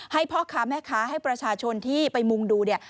ให้พ่อค้าแม่ค้าให้ประชาชนที่ไปมุงดูเนี่ย